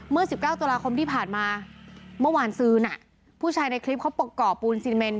เมื่อ๑๙ตราคมที่ผ่านมาเมื่อวานซืนผู้ชายในคลิปเขาปกกรปูลซีเมนต์